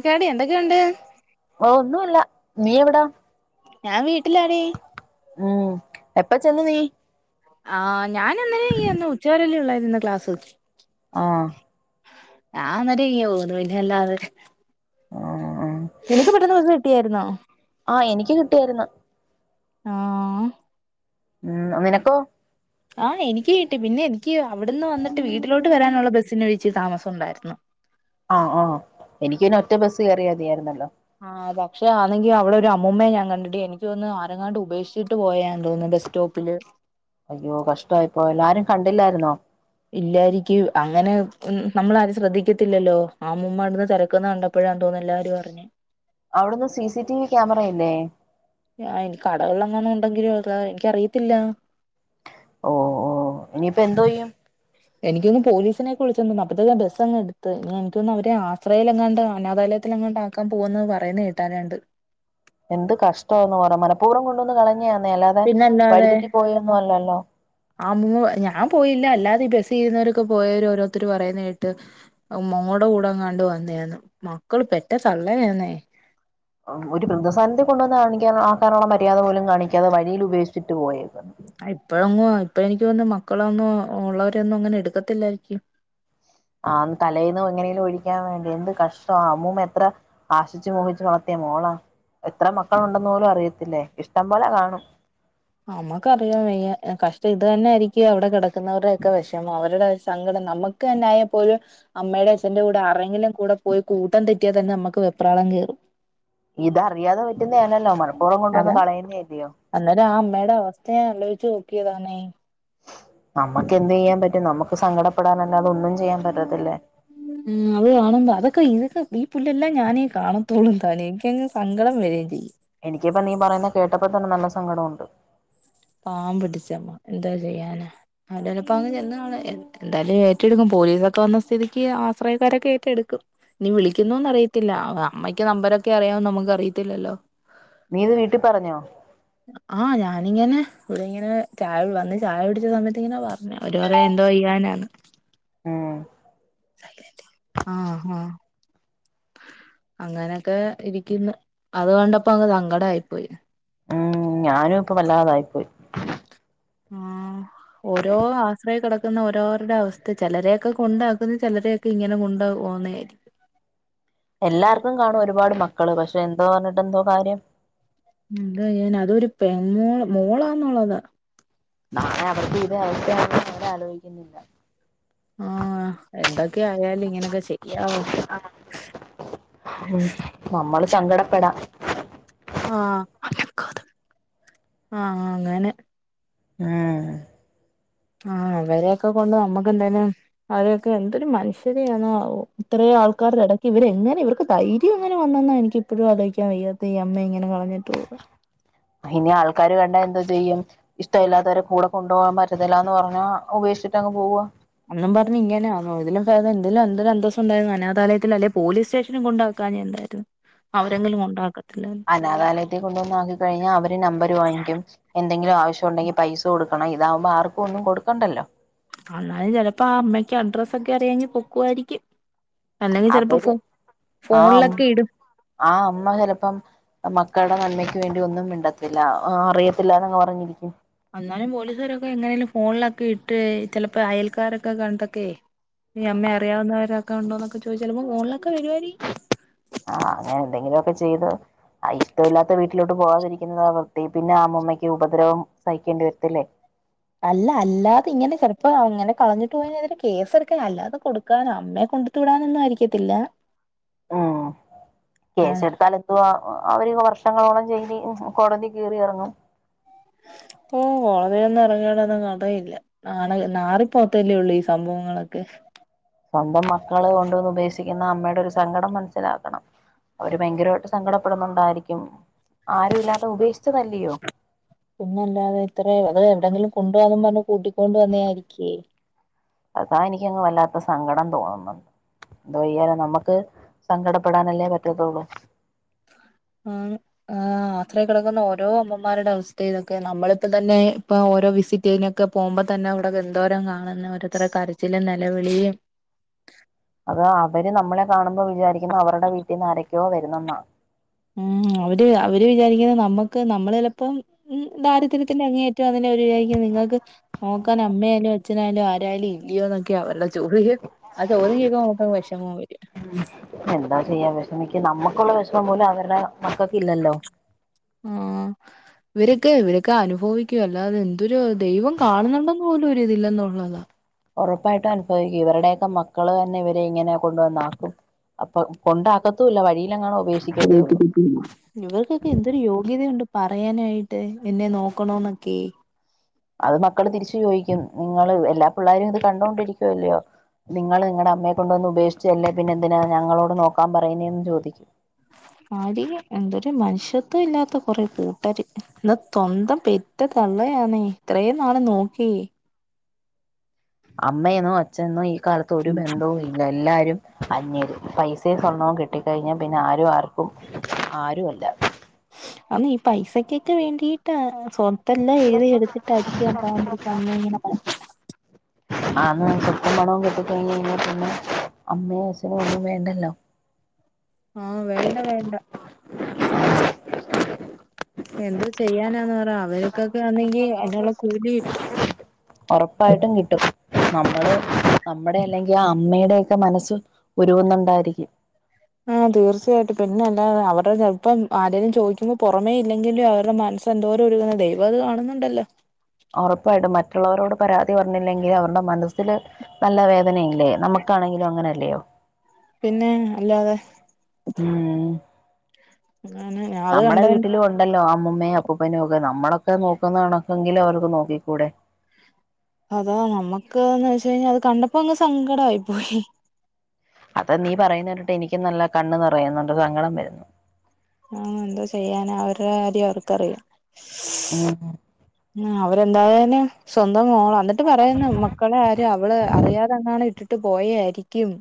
ക്കാടി എന്തൊക്കെയുണ്ട്, ഓ ഒന്നുല്ല നീ എവിടാ ഞാൻ വീട്ടിലാടി, ഉം എപ്പ ചെന്ന് നീ? ആഹ്, ഞാനെന്നേര ഇങ്ങു വന്നു ഉച്ചവരല്ലേ ഉള്ളായിരുന്നു ക്ലാസ്, ആഹ്, ഞാൻ ഒന്നരയ്യപോന്ന് പിന്നല്ലാതെ, ആഹ്, ആഹ് നിനക്ക് പെട്ടെന്ന് ബസ്സ് കിട്ടിയായിരുന്നോ? ആഹ്, എനിക്ക് കിട്ടിയായിരുന്നു. ആഹ്, ഉം നിനക്കോ ഏടപ്പോയ്? ആഹ് എനിക്ക് കിട്ടി പിന്നെ എനിക്ക് അവിടുന്ന് വന്നിട്ട് വീട്ടിലോട്ട് വരാനുള്ള ബസ്സിന് വിഴിച്ച് താമസം ഉണ്ടായിരുന്നു, ആഹ് ആഹ്, എനിക്കിപിന്നെ ഒറ്റ ബസ്സ് കയറിയാ മതിയാരുന്നല്ലോ, ആ് പക്ഷേ ആനങ്കിൽ അവിടെ ഒരു അമ്മൂമ്മയെ ഞാൻ കണ്ടിട്ട് എനിക്ക് തോന്ന് ആരെങ്ങാണ്ട് ഉപേക്ഷിച്ചിട്ട് പോയാൻ തോന്നുന്നു ബസ് സ്റ്റോപ്പില് അയ്യോ കഷ്ടായിപ്പോയല്ലൊ ആരും കണ്ടില്ലായിരുന്നോ? ഇല്ലായിരിക്കും അങ്ങനെ നമ്മള ആരും ശ്രദ്ധിക്കത്തില്ലല്ലോ ആ മ്മൂമ അടെന്ന് തിരക്കുന്ന കണ്ട പ്പഴാന്തോന്നു എല്ലാരും അറിഞ്ഞെ, അവിട്ന്ന് സി സി ടി വി ക്യാമറയില്ലേ? ആഹ്, എനി കടകൾലെങ്ങാനും ഉണ്ടെങ്കിലും എനിക്കറിയത്തില്ല. ഓഹ് ഓഹ് ഇനിയിപ്പ എന്തോ ചെയ്യും? എനിക്കോന്ന് പോലീസിനെക്കെവിളിചെന്ന് അപ്പോഴത്തെക്കെ ബസ്സങ് എടുത്ത് ഇനി എനിക്കോന്ന് അവരു ആശ്രയിലെങ്ങാണ്ട അനാഥാലയത്തില എങ്ങാണ്ടാ ക്കാൻ പോകുന്നത് പറയുന്നത് കേട്ടാലുണ്ട്, എന്ത് കഷ്ടാന്ന് പറയാ മനഃപൂർവ്വം കൊണ്ടുവന്ന് കളഞ്ഞന്നേ അല്ലാതെ പിന്നല്ലാതെ വഴുതെറ്റി പോയൊന്നും അല്ലല്ലോ, ആ അമ്മൂമ്മ ഞാൻ പോയില്ല അല്ലാതെ ബസ് ഇരുന്നവരൊക്കെ പോയവരോരുത്തർ പറയുന്ന കേട്ട്, മോൾടെ കൂടെങ്ങാണ്ട് വന്നെയാന്ന് മക്കള് പെറ്റ തള്ളനാന്നേ, ഒരു വൃദ്ധസദനത്തിൽ കൊണ്ടുവന്ന് കാണിക്കാൻ ആക്കാനുള്ള മര്യാദ പോലും കാണിക്കാതെ വഴീല് ഉപേക്ഷിച്ചിട്ട് പോയേക്ക്ന്ന് ആഹ് ഇപ്പഴെങ്ങും ഇപ്പ എനിക്ക് തോന്നുന്നു മക്കളൊന്നും ഉള്ളവരെയൊന്നും ഇങ്ങനെ എടുക്കത്തില്ലായിരിക്കും. ആന്ന് തലേന്ന് എങ്ങനേലും ഒഴിക്കാൻ വേണ്ടി എന്ത് കഷ് ട്ടാ ആ അമ്മൂമ്മ എത്ര ആശിച്ചു മോഹിച്ച് വളർത്തിയ മോളാ എത്ര മക്കളുണ്ടെന്ന് പോലും അറിയത്തില്ലേ ഇഷ്ടം പോലെ കാണും [unintelligible] നമ്മക്കറിയാൻ വയ്യ കഷ്ടം ഇത് തന്നെ ആയിരിക്കും അവിടെ കെടക്കുന്നവരുടെയൊക്കെ വെഷമോ അവരുടെ സങ്കടം നമ്മ ക്ക് തന്നായാപ്പോലും അമ്മേടേം അച്ഛന്റെ കൂടെ ആർടേങ്കിലും കൂടെ പോയി കൂട്ടം തെറ്റിയാൽ തന്നെ നമ്മക്ക് വെപ്രാളം കേറും ഇത് അറിയാതെ പറ്റുന്ന അല്ലല്ലോ മനപ്പൂർവം കൊണ്ട് വന്ന് അതാ കളയുന്ന അല്ലിയോ [unintelligible] ആലോയ്ച്ചു നോക്കിയതാണേ ഇപ്പൊ അമ്മക്ക് എന്ത് ചെയ്യാൻ പറ്റും നമുക്ക് സങ്കടപ്പെടാനല്ലാത ഒന്നും ചെയ്യാൻ പറ്റത്തില്ല ഉം അത് കാണുമ്പോ അതൊക്കെ ഇതൊക്കെ ഈ പുല്ലെല്ലാം ഞാനേ കാണത്തോള് താനേ എനിക്കങ്ങ് സങ്കടം വെരേം ചെയ്യും എനിക്കിപ്പ നീ പറയുന്ന കേട്ടപ്പോ തന്നെ നല്ല സങ്കടം ഒണ്ട് പാവം പിടിച്ച അമ്മ എന്തൊ ചെയ്യാനാ അവ്ടെ ഇനിപ്പങ്ങ് ചെന്ന് കാണും എ എന്തായാലും ഏറ്റെടുക്കും പോലീസൊക്കെ വന്ന സ്ഥിതിക്ക് ആശ്രയക്കാരൊക്കെ ഏറ്റെടുക്കും ഇഞ്ഞി വിളിക്കുന്നോന്ന് അറിയ ത്തില്ല അ അമ്മയ്ക്ക് നമ്പരൊക്കെ അറിയാന്ന് നമ്മക്ക് അറിയത്തില്ലല്ലോ നീയിത് വീട്ടി പറഞ്ഞോ ആഹ് ഞാനിങ്ങനെ ഇവിടെ ഇങ്ങനെ ചായ വന്ന് ചായ കുടിച്ച സമയത്ത് ഇങ്ങനാ പറഞ്ഞേ അവര് പറയാ എന്തോ ചെയ്യാനാന്ന് ഉം സൈലന്റാ ആഹ് ആഹ് അങ്ങനെയൊക്കെ ഇരിക്കുന്ന് അതുകൊണ്ടപ്പോ അങ്ങ് സങ്കടായിപ്പോയി ഉം ഞാനും ഇപ്പൊ വല്ലാതായി പോയി ആഹ് ഓരോ ആശ്രയേ കെടക്കുന്ന ഓരോരുടെ അവസ്ഥ ചെലരെയൊക്ക കൊണ്ടാക്കുന്ന് ചെലരെ ക്ക് ഇങ്ങനെ കൊണ്ട് പോകുന്നേരി എല്ലാർക്കും കാണും ഒരുപാട് മക്കള് പക്ഷെ എന്തോ പറഞ്ഞിട്ട് എന്തോ കാര്യം മ്ഹ് എന്തൊ ചെയ്യാനാ അതൊരു പെ മോ മോളാന്നൊള്ളതാ നാളെ അവർക്കും ഇതേ അവസ്ഥ ആവുംന്ന് അവര് ആലോയിക്കുന്നില്ല ആഹ് എന്തൊക്കെയായാലും ഇങ്ങനൊക്കെ ചെയ്യാവോ ഉം നമ്മള് സങ്കടപ്പെടാം ആഹ് അനക്കാതെ ആഹ് അങ്ങനെ ആഹ് ആഹ് അവരേക്ക കൊണ്ട് നമ്മക്ക് എന്തായാലും അവരൊക്കെ എന്തൊരു മനുഷ്യരാന്നാവോ ഇത്രേം ആൾക്കാരുടെ എടയ്ക്ക് ഇവരെങ്ങനെ ഇവർക്ക് ധൈര്യ ര്യം എങ്ങനെ വന്നെന്നാ എനിക്കിപ്പഴും അലോയിക്കാൻ വയ്യാത്തെ ഈ അമ്മയെ ഇങ്ങനെ കളഞ്ഞി അയിന് ആൾക്കാര് കണ്ടാ എന്തോ ചെയ്യും ഇഷ്ടമില്ലാത്തവരെ കൂട കൊണ്ടോവാൻ പറ്റത്തില്ലാന്ന് പറഞ്ഞാ ഉപേക്ഷിച്ചിട്ടങ്ങ് പോവ്വാ എന്നും പറഞ്ഞ് ഇങ്ങനാന്നോ ഇതിലും ഭേദം ഇതിലും എന്തൊരു അന്തസുണ്ടായിരുന്ന് അനാഥാലയത്തില് അല്ലെ പോലീസ് സ്റ്റേഷനില് കൊണ്ടാക്കാഞ്ഞെ എന്താർ [unintelligible] അനാഥാലയ ത്തി കൊണ്ടോന്നാക്കി കഴിഞ്ഞാ അവര് നമ്പര് വാങ്ങിക്കും എന്തെങ്കിലും ആവശ്യോണ്ടെങ്കി പൈസ കൊടുക്കണം ഇതാവുമ്പോ ആർ ക്കും ഒന്നും കൊടുക്കണ്ടല്ലോ അന്നാലും ചെലപ്പോ ആ അമ്മക്ക് അഡ്രസ്സ് ഒക്കെ അറിയാങ്കി പൊക്കുവായിരിക്കും അല്ലെങ്കി ചെലപ്പോ അവര് ഫോ ഫോണിലൊക്കെ ഇടുംൾ ആഹ് അമ്മ ചെലപ്പം മക്കൾടെ നന്മയ്ക്ക് വേണ്ടി ഒന്നും മിണ്ടത്തില്ല ആഹ് അറിയത്തില്ലാന്നങ് പറഞ്ഞിരിക്കും എന്നാലും പോലീസുകാരൊക്കെ എങ്ങനേലും ഫോണിലൊക്കെ ഇട്ട് ചെലപ്പോ അയൽക്കാരൊക്കെ കണ്ടൊക്കെയെ ഈ അമ്മേ അറിയാവുന്നവരൊക്കെ ഉണ്ടോന്നക്ക ചോദിച്ചാല് മൊ മോളിലേക്കാ വരുവായിരി ആഹ് അങ്ങനെ എന്തെങ്കിലൊക്കെ ചെയ്ത് ഇഷ്ടമില്ലാത്ത വീട്ടിലോട്ട് പോവാതിരിക്കുന്നതാണ് ത് പിന്നെ ആഹ് അമ്മൂമ്മയ്ക്ക് ഉപദ്രവം സഹിക്കേണ്ടി വര്ത്തില്ലേ. അല്ല അല്ലാതെ ഇങ്ങനെ ചെല്‌പോ അങ്ങനെ കളഞ്ഞിട്ട് പോയതിന് ഇതിന് കേസെടുക്കാൻ അല്ലാതെ കൊടുക്കാനും അമ്മയെ കൊണ്ട് തുടങ്ങുന്ന ആയിരിക്കത്തില്ല ഉം ആ കേസ് എടുത്താല് ന്തുവാ അവര് വർഷങ്ങളോളം ജയില് കോടതി കേറി എറങ്ങും. ഓഹ് ഹോടതിയൊന്നും എറങ്ങ്ണ തൊന്ന് അറിയില്ല. ആണ് നാറി പോവെത്തെല്യെ ഒള്ളൂ ഈ സംഭവങ്ങളൊക്കെ. സ്വന്തം മക്കള് കൊണ്ടുവന്ന് ഉപേക്ഷിക്കുന്ന അമ്മയുടെ ഒരു സങ്കടം മനസ്സിലാക്കണം. അവര് ഭയങ്കരവായിട്ട് സങ്കടപ്പെടുന്നുണ്ടായിരിക്കും ആരും ഇല്ലാതെ ഉപേക്ഷിച്ചതല്ലയോ. പിന്നല്ലാതെ ഇത്ര അത് എവിടെങ്കിലും കൊണ്ടോവാം പറഞ്ഞ് കൂട്ടിക്കൊണ്ട് വന്നേ ആയിരിക്കേ. അതാ എനിക്കങ്ങ് വല്ലാത്ത സങ്കടം തോന്നുന്നത്. എന്തോ ചെയ്യാനാ നമ്മക്ക് സങ്കടപ്പെടാനെല്ലേ പറ്റത്തൊള്ളു. ആണ്. ആഹ് ആത്രി കിടക്കുന്ന ഓരോ അമ്മമാരുടെ അവസ്ഥ ഇതൊക്കെ നമ്മളിപ്പം തന്നെ ഇപ്പൊ ഓരോ വിസിറ്റ് ചെയ്ണെ ക്കെ പോകുമ്പോ തന്നെ അവിടൊക്കെ എന്തോരം കാണുന്ന ഓരോരുത്തരെ കരച്ചിലും നെലവിളിയും. അത് അവര് നമ്മളെ കാണുമ്പോ വിചാരിക്കുന്ന് അവരുടെ വീട്ടിന്ന് ആരക്യോ വരുന്നെന്ന. ഉം അവര് അവര് വിചാരിക്കുന്നത് നമ്മുക്ക് നമ്മൾ ചെലപ്പം. ഉം ദാരിദ്ര്യത്തിന്റെ അങ്ങെ അറ്റം [unintelligible] അതിന്റെ ഒര് ഏകീയത നിങ്ങൾക്ക് ഇല്ല. നോക്കാൻ അമ്മയാലും അച്ഛനായാലും ആരാലും ഇല്ലെയോ. ല്ല ജോലി [unintelligible] അത് നമുക്ക വെഷമം വരു. അന്താ ചെയ്യാ വെഷമിക്ക് നമ്മുക്കുള്ള വെഷമം പോലും അവരുടെ മക്കക്ക് ഇല്ലല്ലോ ആ ഇവരൊക്കെ ഇവരൊക്കെ അനുഭവിക്കും. അല്ലാതെ എന്തൊരു [unintelligible] ദൈവം കാണുന്നുണ്ടന്ന് പോലും ഒരിതില്ലന്നുള്ളതാ. ഒറപ്പായിട്ടും അനുഭവിക്കും ഇവരുടെയൊക്കെ മക്കള് തന്നെ ഇവരെ ഇങ്ങനെ. കൊണ്ടുവന്നാക്കും അപ്പൊ കൊണ്ടാക്കത്തൂല്ല വഴിയിലങ്ങണ ഉപേക്ഷിക്കത്തേ ഒള്ളൂ ഇവർക്കൊക്കെ എന്തൊരു യോഗ്യതയുണ്ട് പറയാനായിട്ട് എന്നെ നോക്കണോന്നൊക്കെ അത് മക്കള് തിരിച്ചു ചോദിക്കും ഇങ്ങള് എല്ലാ പിള്ളാരും ഇത് കണ്ടോണ്ടിരിക്കുവല്ലയോ. നിങ്ങൾ നിങ്ങളുടെ അമ്മയെ കൊണ്ടുവന്ന് ഉപേക്ഷിച്ചല്ലേ പിന്നെ എന്തിനാണ് ഞങ്ങളോട് നോക്കാൻ പറയുന്നേന്ന് ചോദിക്കും ആര് എന്തരു മനുഷ്യത്വ ഇല്ലാത്ത കുറെ കൂട്ടർ എന്നാ സ്വന്തം പ ഇറ്റ തള്ളയാണ് ഇത്രയും നാള് നോക്കി. അമ്മയെന്നോ അച്ഛനെന്നോ ഈ കാലത്ത് ഒരു ബന്ധവും ഇല്ല എല്ലാരും അയ്രും പൈസയും സ്വർണവും കിട്ടിക്കഴിഞ്ഞാ പിന്നെ ആരും ആർക്കും ആരു അല്ല. അപ്പ ഈ പൈസക്കൊക്കെ വേണ്ടിട്ടാ. ഇതെല്ലാം എഴുതി എട്ടിരിക്കും ഞാൻ ൻമ്പ പാമ്പ് പിടിച്ച അ ഇങ്ങനെ. ആന്ന് സ്വപ്പം പണവും കിട്ട കഴിഞ് കഴിഞ്ഞാൽ പിന്നെ അമ്മയും അച്ഛന ഒന്നും വേണ്ടെല്ലോ ആഹ് വേണ്ടവേണ്ട എന്ത്തു ചെയ്യാനാന്ന് പറ അവേർക്കൊക്കെ വന്നെങ്കി അയ്നുള്ള കൂലി കിട്ടും ഒറപ്പായിട്ടും കിട്ടും. നമ്മള് നമ്മുടെ അല്ലെങ്കിൽ ആ അമ്മയുടെൊക്കെ മനസ്സ്. ഉരുകുന്നുണ്ടായിരിക്കും. ആഹ് തീർച്ചയായിട്ടും പിന്നെ അല്ലാ അവരുടെ ഇപ്പം ആരേലും ചോദിക്കുമ്പോൾ പുറമേ ഇല്ലെങ്കിലും അവരുടെ ചെന്തോര് ഒരുങ്ങുന്നതെദൈവം അത് കാണുന്നുണ്ടല്ലോ ഒറപ്പായിട്ടു മറ്റുള്ളവരോട് പരാതി പറഞ്ഞില്ലെങ്കിൽ അവരുടെ മനസ്സിില് നല്ല വേദനയില്ലേ. നമുക്കാണെങ്കിലും അങ്ങന അല്ലെയോ. പിന്നെ അല്ലാതെ ഉം ഞാൻ അത് നമ്മടെ കണ്ടതിന് വീട്ടില് കൊണ്ട് ഉണ്ടല്ലോ അമ്മൂയും അപ്പൂപ്പനും ഒക്കെ നമ്മളൊക്കെ നോക്കുന്നതണക്കെങ്കിലും അവർക്ക് നോക്കിക്കൂടെ. അതാ നമുക്ക്ന്ന് വെച്ച കഴിഞ്ഞാൽ അത് കണ്ടപ്പോ അങ്ങ് സങ്കടയി പോയി അത് നീ പറയുന്ന കേട്ട് എനിക്കും നല്ല കണ്ണ ന്ന് പററയുന്നുണ്ട് സങ്കടം വരുന്നു. ആ എന്താ ചെയ്യാന അവരു കാര്ം അവർക്കറിയാം. ആഹ് ഉ അവര് എന്തായാലും സ്വന്തം മോളാ എന്നിട്ട് പറയുന്നെ മക്കളെ ആരും അവള് അറിയാതെന്നാണ് ഇട്ടിട്ട് പോയയിരിക്കും-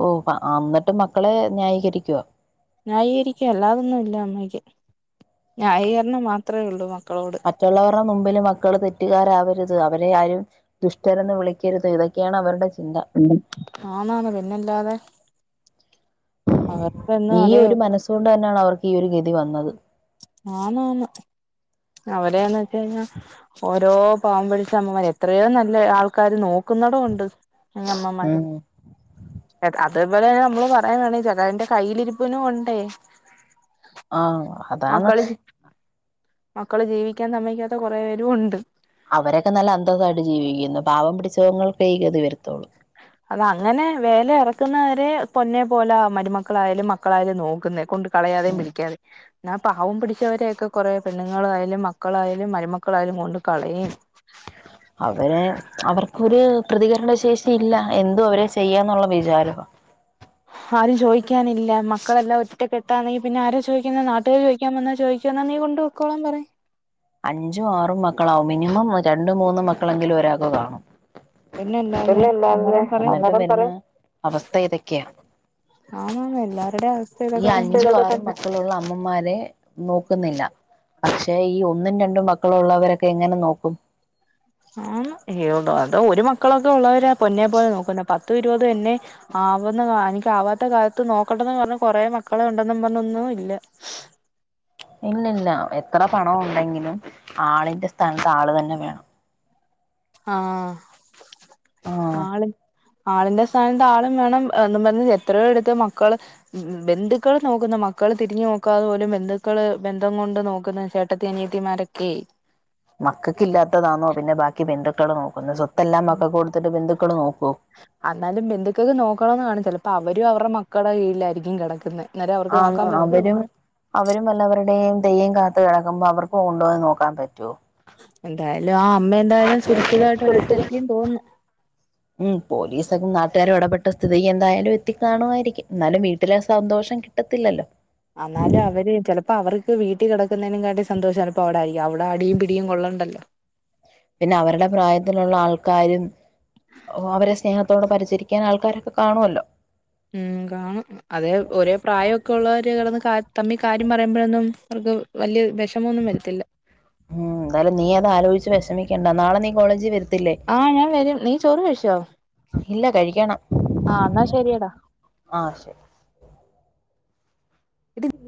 ഓഹ് അ എന്നിട്ടും മക്കളെ ന്യായീകരിക്കുവ ന്യായീകരിക്ക അല്ലാതൊന്നുയില്ല അമ്മയ്ക്ക് ന്യായീകരണം മാത്രമേയുള്ളൂ മക്കളോട് മറ്റുള്ളവരുടെ മുമ്പില് മക്കള് തെറ്റുകാരാവരുത് അവരെ ആരും ദുഷ്ടരെന്ന് വിളിക്കരുത് ഇതൊക്കെ - ഇത്‌യൊക്കെയാണ് അവരുടെ ചിന്ത ആന് ആന് പിന്നെല്ലാതെ ഈ അതേ ഒരു മനസ്സു കൊണ്ട് തന്നെയാണ് അവർക്ക് ഈ ഒരു ഗതി വന്നത് ആന് ആന് അവടെയെന്ന് വെച്ച് കഴിഞ്ഞാൽ ഓരോ പാവം പിടിച്ച അമ്മമാര് എത്രയോ നല്ല ആൾക്കാര് നോക്കുന്നടം ഒണ്ട് അമ്മമാര് ഉം അതേപോലെ നമ്മള് പയാൻ ആണേ ചെലതിന്റ കയ്യിലിരിപ്പിനും ഉണ്ടേ ആഹ് അതാണ്- മക്കള് മക്കള് ജീവിക്കാൻ തമ്മേക്കാത്ത കൊറേ പേരും ഉണ്ട് അവരൊക്കെ നല്ല അന്തസായിട്ട് ജീവിക്കുന്നു പാവം പിടിച്ച ഇതിങ്ങക്കും ഈ ഗതി വരുത്തുള്ളൂ അത അങ്ങനെ വേല ഇറക്കുന്നവരെ പൊന്നെപോലെ മരുമക്കളായാലും മക്കളായാലും നോക്കുന്നെ കൊണ്ട്- കളയാതും ഉം പിടിക്കാതെ- ആ പാവം പിടിച്ചവരെയൊക്കെ കൊറെ പെണ്ണുങ്ങളായാലും മക്കളായാലും മരുമക്കളായാലും കൊണ്ട് കളയും അവര് അവർക്കൊരു പ്രതികരണ ശേഷി ഇല്ല എന്തും അവരെ ചെയ്യാന്നുള്ള വിചാരമാണ് ആരും ചോദിക്കാനില്ല മക്കളെല്ലാം ഒറ്റക്കെട്ടാണേ പിന്നെ ആരാ ചോദിക്കുന്നത് നാട്ടുകർ ചോദ- ചോദിക്കാൻ വന്നാ ചോദിക്കും എന്നാ നീ കൊണ്ട് പൊക്കോളാൻ പറയും അഞ്ചും ആറും മക്കളാവും മിനിമം രണ്ടും മൂന്നും മക്കളെങ്കിലും ഒരാൾക്ക് കാണും പിന്നല്ലാതെ അതല്ലേ ഇണ്ടാവുന്നെ അന്നേരം പറയും അവസ്ഥ ഇതൊക്കെയാ ആഹ് അത് തന്നെ എല്ലാവരുടെയും അവസ്ഥ ഈ ഇതൊക്കെ തന്നാ അഞ്ചു ആറും മക്കളുള്ള അമ്മമാരെ നോക്കുന്നില്ല പക്ഷേ ഈ- ഒന്നും രണ്ടും മക്കളും ഉള്ളവരൊക്കെ എങ്ങനെ നോക്കും ആന് അതോ ഒരു മക്കളൊക്കെ ഉള്ളവരാ പൊന്നെ പോലെ നോക്കുന്ന പത്ത് ഇരുപത് എന്നെ- ആവുന്ന കാലത്ത് എനിക്കാവാത്ത കാലത്ത് നോക്കണ്ടന്ന് പറഞ്ഞ കൊറെ മക്കളെ ഒണ്ടെന്നും പറഞ്ഞൊന്നും ഇല്ല ഇല്ലയില്ല എത്ര പണം ഉണ്ടെങ്കിലും ആളിന്റെ സ്ഥാനത്ത് ആള് തന്നെ വേണം ആഹ് ആഹ് ആള് - ആളിന്റെ സ്ഥാനത് ആളും വേണം എന്നും പറഞ് എത്രയോ എടുത്ത് മക്കള്- ഉം ബന്ധുക്കൾ നോക്കുന്ന മക്കള് തിരിഞ്ഞു നോക്കാതെ പോലും ബന്ധുക്കള് ബന്ധം കൊണ്ട് നോക്കുന്നേനു വെച്ചാൽ - ചേട്ടത്തി അനിയത്തിമാരൊക്കെയെ മക്കൾക്ക് ഇല്ലാത്തതാണോ പിന്നെ ബാക്കി ബന്ധുക്കള് നോക്കുന്നു സ്വത്തെല്ലാം മക്കക്ക് കൊടുത്തിട്ട് ബന്ധുക്കള് നോക്കുവോ അന്നാലും ബന്ധുക്കൾക്ക് നോക്കണന്ന് കാണും ചെലപ്പോ അവരും അവരുടെ മക്കളുടെ കീഴിലായിരിക്കും കെടക്കുന്നത് ആഹ് അവരും അവരും വല്ലവരുടെയും - തെയ്യം കാത്തുകെടക്കുമ്പോ അവർക്ക് കൊണ്ടുപോയി നോക്കാൻ പറ്റുമോ എന്തായാലും ആ അമ്മ എന്തായാലും സുരക്ഷിതായിട്ട് ഒരിടുത്ത് എത്തിന്ന് തോന്നുന്നു ഉം പോലിസൊക്കെ നാട്ടുകാരും എടപെട്ട സ്ഥിതിക്ക് എന്തായാലും എത്തിക്കണുമായിയിരിക്കും എന്നാലും വീട്ടിലെ സന്തോഷം കി- കിട്ടത്തില്ലല്ലോ എന്നാലും അവര് ചെലപ്പോ അവർക്ക് വീട്ടി കെടക്കുന്നതിനും കാട്ടി സന്തോഷം ചെലപ്പോ അവിടെ ആയിരിക്കും അവിടെ അടിയും പിടിയും കൊള്ളണ്ടല്ലോ പിന്നെ അവരുടെ പ്രായത്തിലുള്ള ആൾക്കാരും അവരെ സ്നേഹ- അപ്പൊ അവിടെ പരിചരിക്കാൻ ആൾക്കാരൊക്കെ കാണുമല്ലോ ഉം കാണും അതേ ഒരേ പ്രായയൊക്കെ - ഒക്കള്ളവര് കെടന്ന് തമ്മി കാര്യം പറയുമ്പോഴൊന്നും അവർക്ക് വലിയ വിഷമൊന്നും വരത്തില്ല ഉം എന്താലും നീ അത് ആലോചിച്ച് വിഷമിക്കേണ്ട നാളെ നീ കോളേജിൽ വരു- ആഹ് ഞാൻ വരും നീ ചോറ് കഴിച്ചോആഹ് ഇല്ല കഴിക്കണം എന്നാൽ ശരിയടാ ആഹ് ശരി [unintelligible]